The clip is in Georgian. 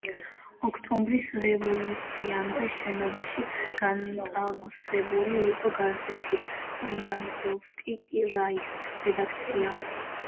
ოქტომბრის რევოლუციამდე შენობაში განტავსებული იყო გაზეთ „პრიაზოვსკი კრაის“ რედაქცია.